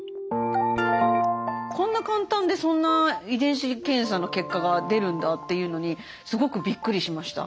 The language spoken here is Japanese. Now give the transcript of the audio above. こんな簡単でそんな遺伝子検査の結果が出るんだというのにすごくびっくりしました。